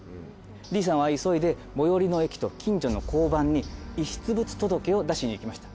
Ｄさんは急いで最寄りの駅と近所の交番に遺失物届を出しに行きました。